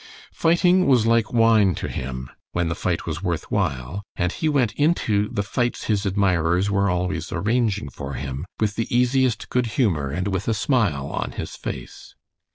Fighting was like wine to him, when the fight was worth while, and he went into the fights his admirers were always arranging for him with the easiest good humor and with a smile on his face.